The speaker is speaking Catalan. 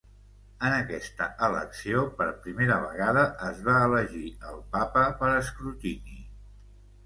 En aquesta elecció per primera vegada es va elegir el papa per escrutini.